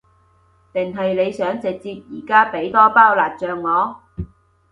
定係你想直接而家畀多包辣醬我？